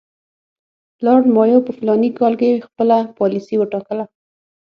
لارډ مایو په فلاني کال کې خپله پالیسي وټاکله.